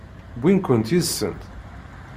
Wwint-ken yid-sent?